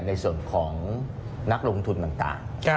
ในส่วนของนักลงทุนต่าง